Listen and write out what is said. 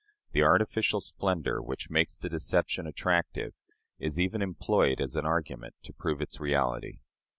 The artificial splendor which makes the deception attractive is even employed as an argument to prove its reality.